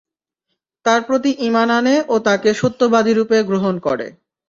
তাঁর প্রতি ঈমান আনে ও তাঁকে সত্যবাদীরূপে গ্রহণ করে।